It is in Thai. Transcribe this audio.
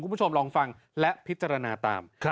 คุณผู้ชมลองฟังและพิจารณาตาม